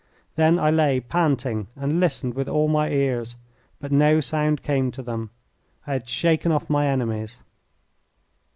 Then I lay panting and listened with all my ears, but no sound came to them. I had shaken off my enemies.